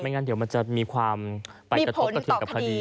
ไม่งั้นเดี๋ยวมันจะมีขวามมีผลต่อกับคดี